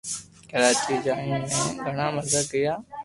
ڪراچي جائين مي گِھڙا مزا ڪريا